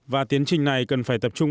và tiến trình này cần phải tập trung